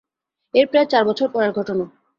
এর প্রায় চার বছর পরের ঘটনা।